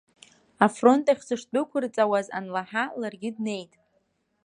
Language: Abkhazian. Афронт ахь сышдәықәырҵауаз анлаҳа, ларгьы днеит.